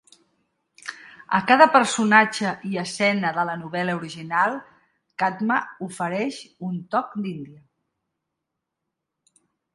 A cada personatge i escena de la novel·la original, Chadha afegeix un toc d'índia.